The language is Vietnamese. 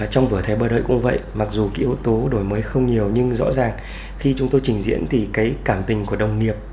trong vừa thế bờ đời cũng vậy mặc dù yếu tố đổi mới không nhiều nhưng rõ ràng khi chúng tôi trình diễn thì cái cảm tình của đồng nghiệp